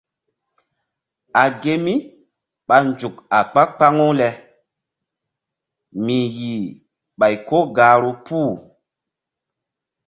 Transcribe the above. A ge mí ɓa nzuk a kpa-kpaŋu le mi yih ɓay ko gahru puh.